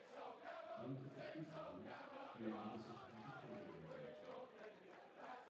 Winkler beschrieb allerdings, wie er in dieser Frage vorgehen wollte.